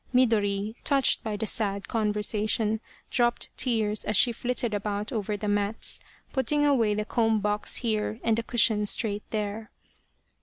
Midori, touched by the sad conversation, dropped tears as she flitted about over the mats, putting away the comb box here and a cushion straight there.